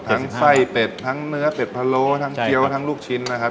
ไส้เป็ดทั้งเนื้อเป็ดพะโล้ทั้งเกี้ยวทั้งลูกชิ้นนะครับ